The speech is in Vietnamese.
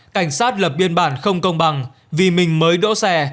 cảnh sát lập biên bản không công bằng vì mình mới đỗ xe